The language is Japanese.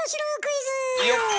よっ！